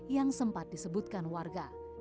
yang sempat disebutkan warga